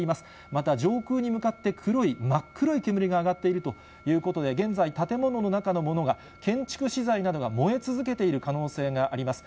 また、上空に向かって黒い、真っ黒い煙が上がっているということで、現在、建物の中のものが、建築資材などが燃え続けている可能性があります。